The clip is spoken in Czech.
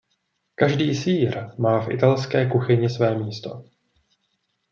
Každý sýr má v italské kuchyni své místo.